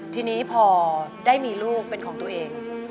ทีนี้พอได้มีลูกเป็นของตัวเอง